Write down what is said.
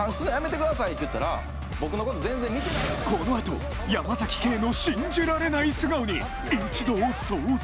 このあと山ケイの信じられない素顔に一同騒然！